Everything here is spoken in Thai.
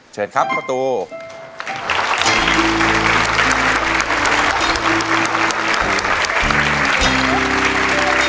เชิญครับข้าวตู